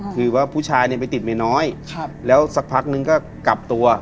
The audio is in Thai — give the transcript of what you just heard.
คือว่าผู้ชายเนี่ยไปติดไม่น้อยแล้วสักพักนึงก็กลับตัว